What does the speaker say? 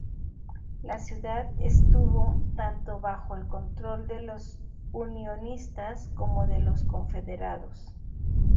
La ciudad estuvo tanto bajo el control de los unionistas como de los confederados.